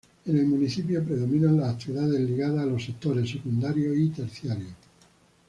En el municipio predominan las actividades ligadas a los sectores secundario y terciario.